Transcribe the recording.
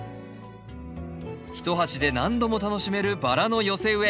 一鉢で何度も楽しめるバラの寄せ植え。